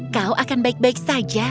kau akan baik baik saja